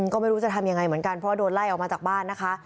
ก็ไม่รู้จะทำยังไงเหมือนกันเพราะว่าโดนไล่ออกมาจากบ้านนะคะ